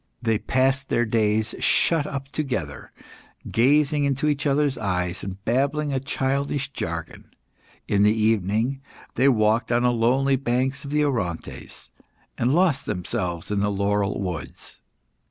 They passed their days shut up together, gazing into each other's eyes, and babbling a childish jargon. In the evening, they walked on the lonely banks of the Orontes, and lost themselves in the laurel woods.